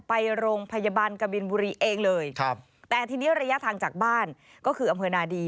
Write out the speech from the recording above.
ไปโรงพยาบาลกบินบุรีเองเลยครับแต่ทีนี้ระยะทางจากบ้านก็คืออำเภอนาดี